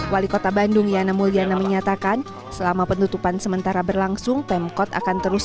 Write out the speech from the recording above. wali kota bandung yana mulyana menyatakan selama penutupan sementara berlangsung pemkot akan terus